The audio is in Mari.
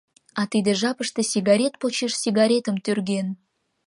А тиде жапыште сигарет почеш сигаретым тӱрген.